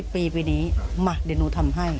ปีนี้มาเดี๋ยวหนูทำให้